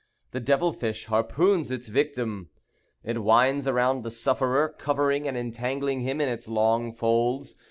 The devil fish harpoons its victim. It winds around the sufferer, covering and entangling him in its long folds.